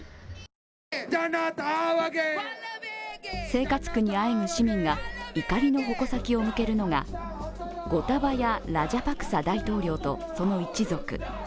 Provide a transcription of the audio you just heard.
生活苦にあえぐ市民が怒りの矛先を向けるのがゴタバヤ・ラジャパクサ大統領とその一族。